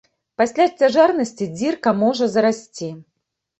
Пасля цяжарнасці дзірка можа зарасці.